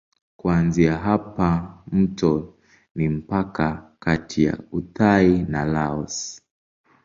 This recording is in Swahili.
Kuanzia hapa mto ni mpaka kati ya Uthai na Laos.